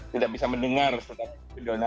tidak bisa mendengar secara videonya